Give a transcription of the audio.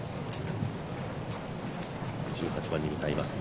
１８番に向かいます